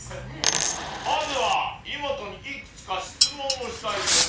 まずはイモトにいくつか質問をしたいと思います。